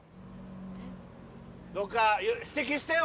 どっか指摘してよ